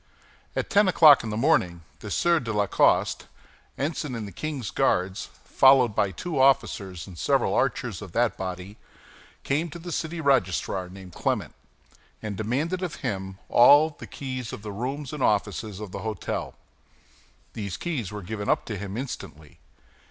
At ten o'clock in the morning the Sieur de la Coste, ensign in the king's Guards, followed by two officers and several archers of that body, came to the city registrar, named Clement, and demanded of him all the keys of the rooms and offices of the hôtel. These keys were given up to him instantly.